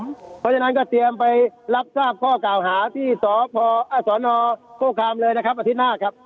เพราะฉะนั้นก็เตรียมไปรับทราบข้อกล่าวหาที่สนโคคามเลยนะครับอาทิตย์หน้าครับ